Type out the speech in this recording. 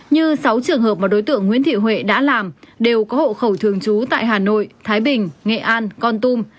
như sáu trường hợp mà đối tượng nguyễn thị huệ đã làm đều có hộ khẩu thường trú tại hà nội thái bình nghệ an con tum